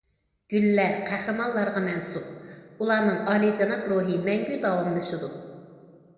گۈللەر قەھرىمانلارغا مەنسۇپ، ئۇلارنىڭ ئالىيجاناب روھى مەڭگۈ داۋاملىشىدۇ.